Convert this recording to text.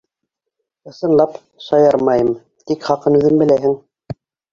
Ысынлап, шаярмайым, тик... хаҡын үҙең беләһең...